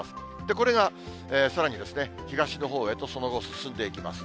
これがさらに東のほうへと、その後、進んでいきます。